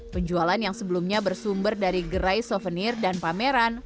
penjualan yang sebelumnya bersumber dari gerai souvenir dan pameran